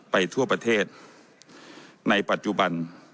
ทั่วประเทศในปัจจุบัน